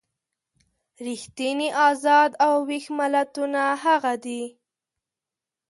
ریښتیني ازاد او ویښ ملتونه هغه دي.